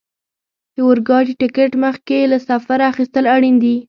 د اورګاډي ټکټ مخکې له سفره اخیستل اړین دي.